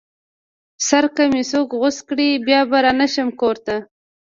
سر که مې څوک غوڅ کړې بيا به رانشمه کور ته